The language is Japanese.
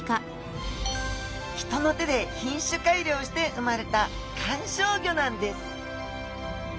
人の手で品種改良して生まれた観賞魚なんです。